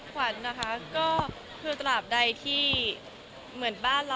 ควันนะคะคือตลอดใดที่เหมือนบ้านเรา